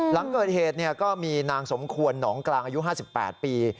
หลังเกิดเหตุก็มีนางสมควรหนองกลางอายุ๕๘ปี